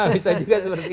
bisa juga seperti itu